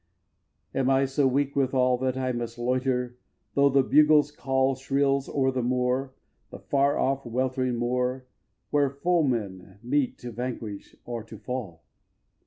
Am I so weak withal, That I must loiter, though the bugle's call Shrills o'er the moor, the far off weltering moor, Where foemen meet to vanquish or to fall?